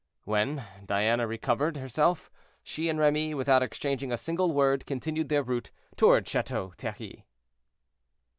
When Diana recovered herself, she and Remy, without exchanging a single word, continued their route toward Chateau Thierry.